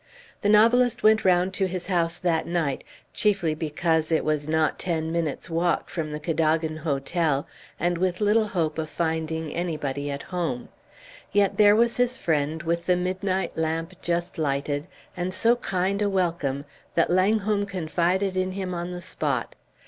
The novelist went round to his house that night, chiefly because it was not ten minutes' walk from the Cadogan Hotel, and with little hope of finding anybody at home. Yet there was his friend, with the midnight lamp just lighted, and so kind a welcome that Langholm confided in him on the spot.